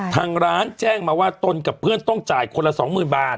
ทางร้านแจ้งมาว่าตนกับเพื่อนต้องจ่ายคนละ๒๐๐๐บาท